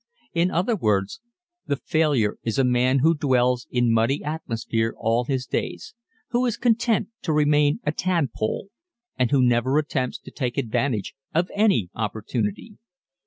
In other words, the failure is a man who dwells in muddy atmosphere all his days, who is content to remain a tadpole and who never attempts to take advantage of any opportunity.